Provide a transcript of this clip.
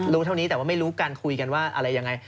เท่านี้แต่ว่าไม่รู้การคุยกันว่าอะไรยังไง